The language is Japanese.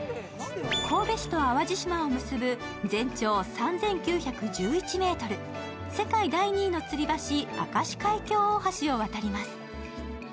神戸市と淡路島を結ぶ全長３９１１ｍ、世界第２位のつり橋、明石海峡大橋を渡ります。